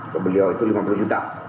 ke beliau itu lima puluh juta